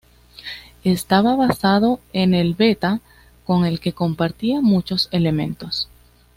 Estaba basado en el Beta, con el que compartía muchos elementos.